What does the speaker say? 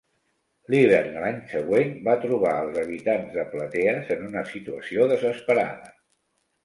L'hivern de l'any següent va trobar als habitants de Platees en una situació desesperada.